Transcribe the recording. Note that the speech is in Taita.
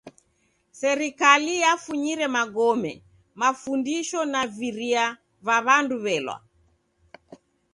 Serikali yafunyire magome, mafundisho naviria va w'andu w'elwa.